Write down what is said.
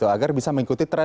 agar bisa mengikuti trend